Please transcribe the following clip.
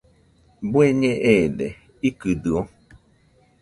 ¿Bueñe eede?, ¿ikɨdɨo?